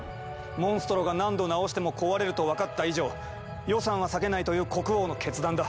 モンストロが何度なおしても壊れると分かった以上予算は割けないという国王の決断だ。